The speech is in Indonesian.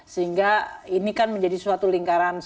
sehingga ini kan menjadi suatu lingkaran setan yang rumit